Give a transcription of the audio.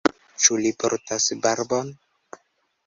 Ĉu li portas barbon?